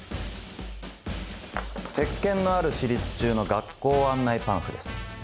鉄研のある私立中の学校案内パンフです。